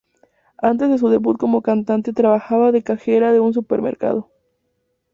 Antes de su debut como cantante trabajaba de cajera de un supermercado.